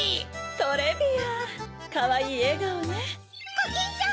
トレビアンかわいいえがおね！